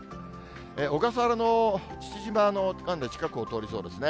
小笠原の父島のかなり近くを通りそうですね。